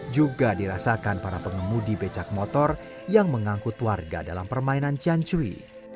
juga dirasakan para pengemudi becak motor yang mengangkut warga dalam permainan ciancuri